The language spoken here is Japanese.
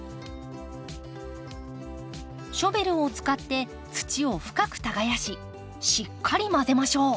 ショベルを使って土を深く耕ししっかり混ぜましょう。